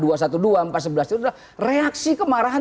empat sebelas itu adalah reaksi kemarahan